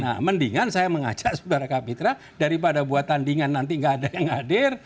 nah mendingan saya mengajak saudara kapitra daripada buat tandingan nanti nggak ada yang hadir